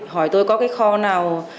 hỏi tôi có cái kho nào